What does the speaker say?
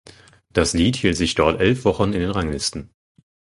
Das Lied hielt sich dort elf Wochen in den Ranglisten.